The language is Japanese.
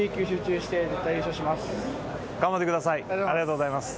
ありがとうございます。